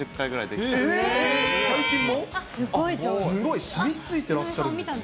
すごいしみついてらっしゃるんですね。